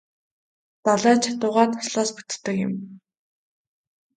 Далай ч атугай дуслаас бүтдэг юм.